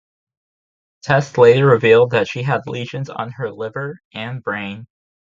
Tests later revealed that she had lesions on her liver and brain.